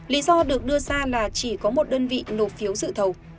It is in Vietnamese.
lý do được đưa ra là chỉ có một đơn vị nộp phiếu dự thầu